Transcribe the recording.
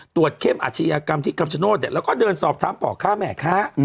เข้มอาชญากรรมที่คำชโนธแล้วก็เดินสอบถามพ่อค้าแม่ค้า